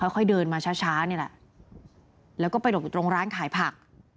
ค่อยเดินมาช้านี่แหละแล้วก็ไปหลบอยู่ตรงร้านขายผัก